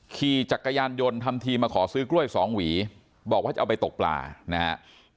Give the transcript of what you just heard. ขี่จักรยานยนต์ทำทีมาขอซื้อกล้วยสองหวีบอกว่าจะเอาไปตกปลานะครับ